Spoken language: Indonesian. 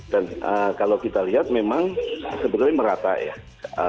dan kalau kita lihat memang sebenarnya merata ya